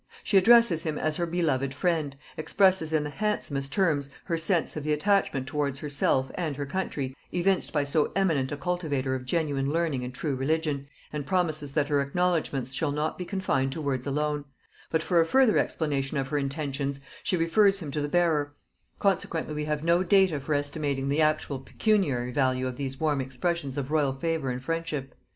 She addresses him as her beloved friend, expresses in the handsomest terms her sense of the attachment towards herself and her country evinced by so eminent a cultivator of genuine learning and true religion, and promises that her acknowledgements shall not be confined to words alone; but for a further explanation of her intentions she refers him to the bearer; consequently we have no data for estimating the actual pecuniary value of these warm expressions of royal favor and friendship.